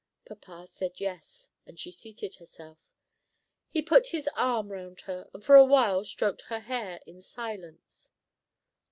Papa said yes, and she seated herself. He put his arm round her, and for a while stroked her hair in silence.